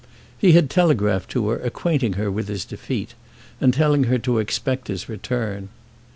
He had telegraphed to her, acquainting her with his defeat, and telling her to expect his return.